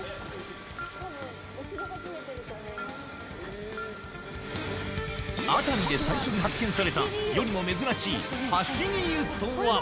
ニトリ熱海で最初に発見された世にも珍しい「走り湯」とは？